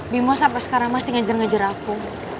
bimo sampai sekarang masih ngejer ngejer aku